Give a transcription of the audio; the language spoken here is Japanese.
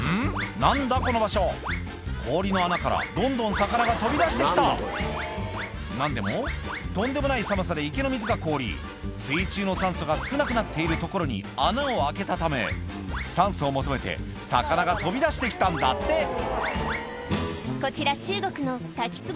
何だこの場所氷の穴からどんどん魚が飛び出して来た何でもとんでもない寒さで池の水が凍り水中の酸素が少なくなっているところに穴を開けたため酸素を求めて魚が飛び出して来たんだってこちら中国の滝つぼ